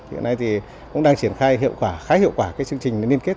hiện nay thì cũng đang triển khai hiệu quả khá hiệu quả chương trình liên kết